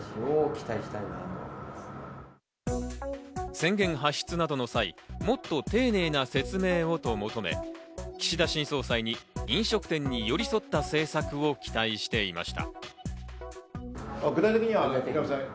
宣言発出などの際、もっと丁寧な説明をと求め、岸田新総裁に飲食店に寄り添った政策を期待していました。